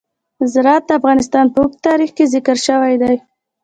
زراعت د افغانستان په اوږده تاریخ کې ذکر شوی دی.